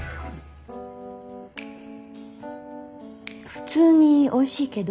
普通においしいけど？